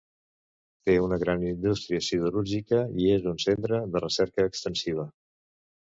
Té una gran indústria siderúrgica i és un centre de recerca extensiva.